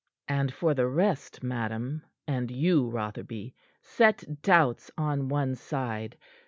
"And for the rest, madam, and you, Rotherby, set doubts on one side.